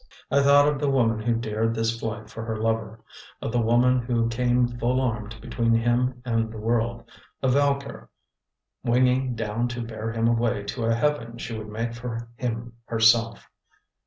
I thought of the woman who dared this flight for her lover, of the woman who came full armed between him and the world, a Valkyr winging down to bear him away to a heaven she would make for him herself.